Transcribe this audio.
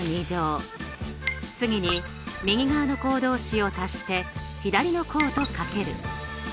次に右側の項同士を足して左の項と掛ける。